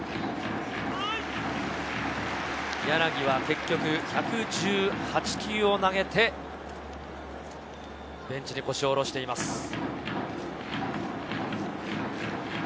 柳は結局１１８球を投げて、ベンチに腰を下ろしています。